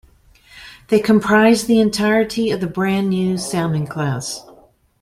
They comprised the entirety of the brand-new "Salmon" class.